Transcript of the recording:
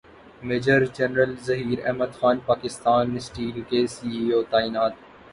major general Zaheer Ahmed Khan Pakistan steel کے C E O تعینات